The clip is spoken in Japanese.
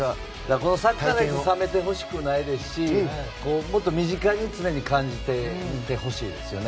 このサッカー熱冷めてほしくないですしもっと身近に常に感じていてほしいですよね。